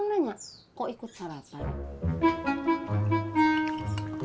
soalnya kan aku nanya kok ikut sarapan